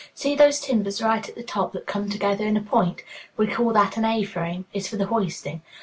See those timbers right at the top that come together in a point? We call that an A frame; it's for the hoisting.